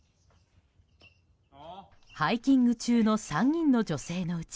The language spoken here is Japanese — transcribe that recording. ハイキング中の３人の女性のうち